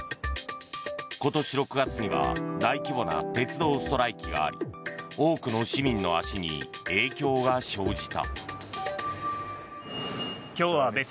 今年６月には大規模な鉄道ストライキがあり多くの市民の足に影響が生じた。